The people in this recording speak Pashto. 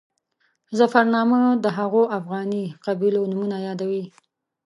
ظفرنامه د هغو افغاني قبیلو نومونه یادوي.